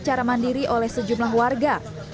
secara mandiri oleh sejumlah warga